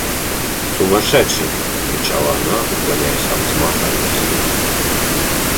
– Сумасшедший! – закричала она, уклоняясь от взмаха руки его.